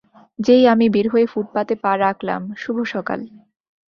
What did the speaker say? যেই আমি বের হয়ে ফুটপাতে পা রাখলাম, - শুভ সকাল।